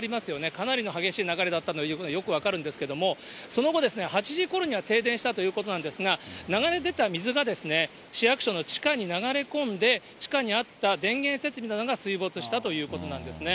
かなりの激しい流れだったということがよく分かるんですけれども、その後ですね、８時ごろには停電したということなんですが、流れ出た水が市役所の地下に流れ込んで、地下にあった電源設備などが水没したということなんですね。